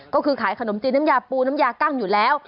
ก็คือขายขนมจีนน้ำยาปูน้ำยากั้งอยู่แล้ว